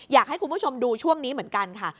อยากให้คุณผู้ชมดูช่วงนี้เหมือนกันค่ะ